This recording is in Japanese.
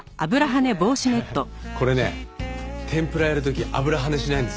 これね天ぷらやる時油跳ねしないんですよ。